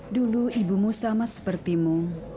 dulu ibumu sama sepertimu